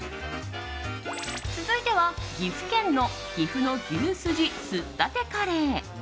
続いては、岐阜県の岐阜の牛すじすったてカレー。